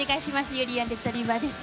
ゆりやんレトリィバァです。